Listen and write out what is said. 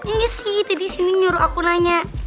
nggak sih tadi sini nyuruh aku nanya